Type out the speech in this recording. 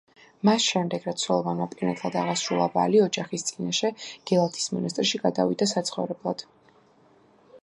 მას შემდეგ, რაც სოლომონმა პირნათლად აღასრულა ვალი ოჯახის წინაშე, გელათის მონასტერში გადავიდა საცხოვრებლად.